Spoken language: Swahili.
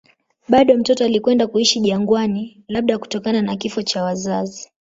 Bado mtoto alikwenda kuishi jangwani, labda kutokana na kifo cha wazazi.